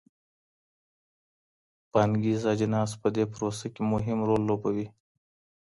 پانګیز اجناس په دې پروسه کي مهم رول لوبوي.